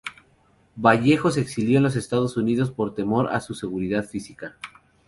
Vallejo se exilió en los Estados Unidos por temor a su seguridad física.